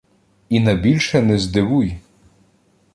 І на більше не здивуй!